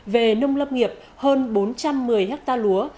về nông lập nghiệp hơn bốn trăm một mươi ha lúa